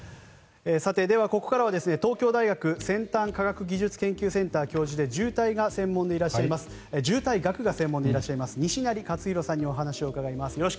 さて、ではここからは東京大学先端科学技術研究センター教授で渋滞学が専門でいらっしゃいます西成活裕さんにお話を伺います。